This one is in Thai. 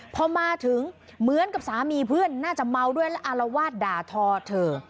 พอมาถึงเหมือนกับสามีเพื่อนน่าจะเมาด้วยแล้วอารวาสด่าทอเธอ